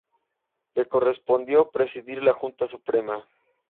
Le correspondió presidir la Junta Suprema.